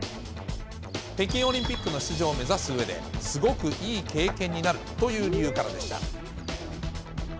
北京オリンピックの出場を目指すうえで、すごくいい経験になるという理由からでした。